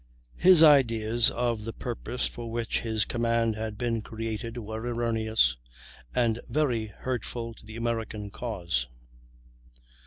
His ideas of the purpose for which his command had been created were erroneous and very hurtful to the American cause.